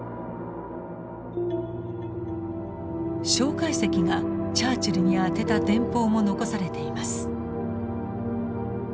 介石がチャーチルに宛てた電報も残されています。